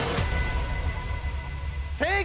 正解！